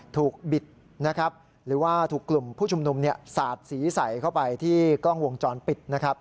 ถูกบิดหรือว่าถูกกลุ่มผู้ชุมนุมสาดสีใสเข้าไปที่กล้องวงจรปิด